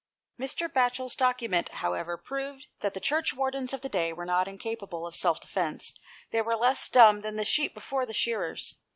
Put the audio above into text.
Mr. Batchel's document, however, proved that the Churchwardens of the day were not incapable of self defence. They were less dumb than sheep before the shearers.